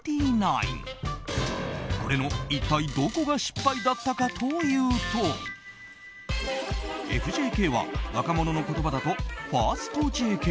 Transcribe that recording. これの一体どこが失敗だったかというとＦＪＫは若者の言葉だとファーストＪＫ。